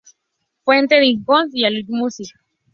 Fuente: Discogs y Allmusic.